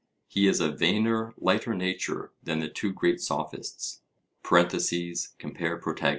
He is a vainer, lighter nature than the two great Sophists (compare Protag.)